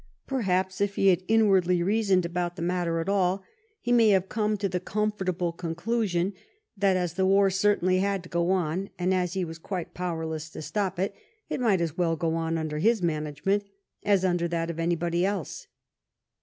Perhaps, if he inwardly reasoned about the matter at all, he may have come to the comfortable conclusion that, as the war certainly had to go on, and as he was quite powerless to stop it, it might as well go on under his manage ment as under that of anybody else.